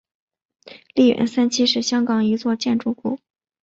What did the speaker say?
利园三期是香港一座建筑物。